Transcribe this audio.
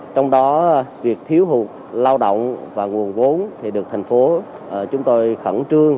trong đó việc thiếu hụt lao động và nguồn vốn thì được thành phố chúng tôi khẩn trương